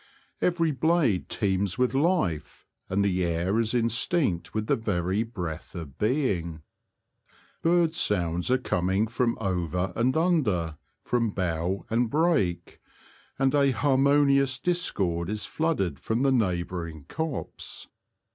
Every blade teems with life, and the air is in stinct with the very breath of being. Birds' sounds are coming from over and under — from bough and brake, and a harmonious discord is flooded from the neighbouring copse.